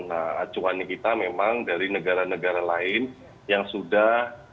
nah acuan kita memang dari negara negara lain yang sudah